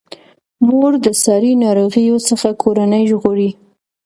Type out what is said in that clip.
مور د ساري ناروغیو څخه کورنۍ ژغوري.